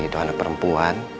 itu anak perempuan